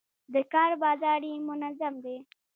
د کار بازار یې منظم دی.